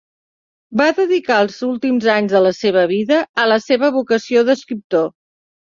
Va dedicar els últims anys de la seva vida a la seva vocació d'escriptor.